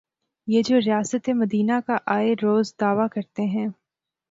یہ جو ریاست مدینہ کا آئے روز دعوی کرتے ہیں۔